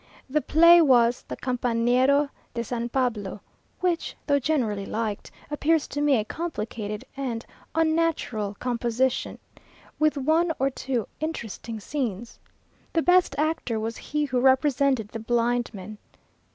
The play was the "Campanero de San Pablo," which, though generally liked, appears to me a complicated and unnatural composition, with one or two interesting scenes. The best actor was he who represented the blind man.